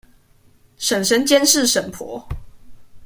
嬸嬸監視嬸婆